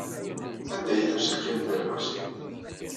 Anda yella uselkim n Dda Lḥusin?